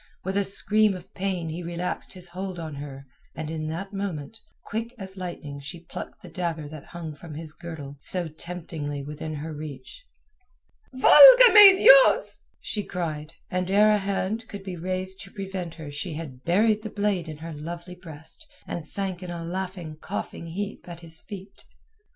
With a scream of pain he relaxed his hold of her and in that moment, quick as lightning she plucked the dagger that hung from his girdle so temptingly within her reach. "Valga me Dios!" she cried, and ere a hand could be raised to prevent her she had buried the blade in her lovely breast and sank in a laughing, coughing, heap at his feet.